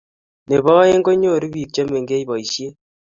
nebo aeng, konyoru biik chemengech boishiet